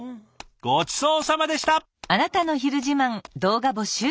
ごちそうさまでした！